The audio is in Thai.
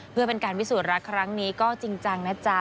เพื่อเป็นการพิสูจน์รักครั้งนี้ก็จริงจังนะจ๊ะ